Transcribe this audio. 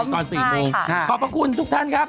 ตอน๔โมงขอบพระคุณทุกท่านครับ